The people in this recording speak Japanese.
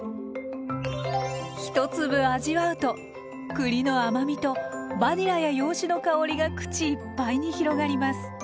一粒味わうと栗の甘みとバニラや洋酒の香りが口いっぱいに広がります。